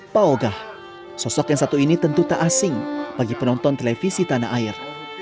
pak ogah sosok yang satu ini tentu tak asing bagi penonton televisi tanah air